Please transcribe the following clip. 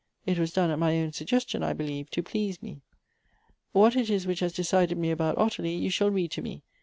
(It was done at my own suggestion, I believe, to please mc.) What it is which has decided me about Ottilie, you shall read to me.